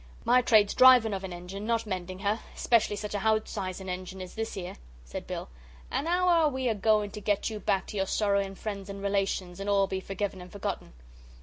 "My trade's driving of an engine, not mending her, especially such a hout size in engines as this 'ere," said Bill. "An' 'ow are we a goin' to get you back to your sorrowing friends and relations, and all be forgiven and forgotten?"